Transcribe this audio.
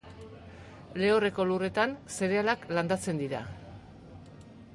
Lehorreko lurretan, zerealak landatzen dira.